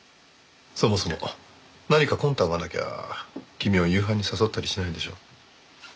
そもそも何か魂胆がなきゃ君を夕飯に誘ったりしないでしょう。